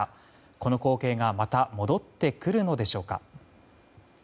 この光景がまた戻ってくるのでしょうか。